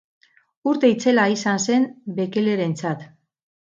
Urte itzela izan zen Bekelerentzat.